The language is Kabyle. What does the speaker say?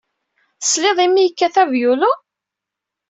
Tesliḍ i mmi yekkat avyulu?